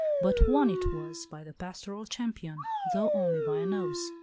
But won it was, by the pastoral champion, though only by a nose.